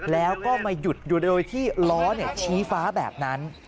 แล้วก็มาหยุดอยู่โดยที่ล้อชี้ฟ้าแบบนั้น